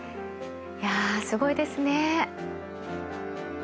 いやすごいですね。